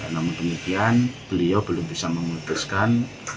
namun demikian beliau belum bisa memutuskan